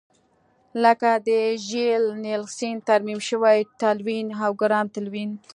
لکه د ژیل نیلسن ترمیم شوی تلوین او ګرام تلوین.